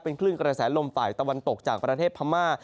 คลื่นกระแสลมฝ่ายตะวันตกจากประเทศพม่า